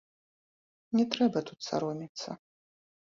Не трэба тут саромецца.